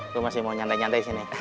gue masih mau nyantai nyantai sini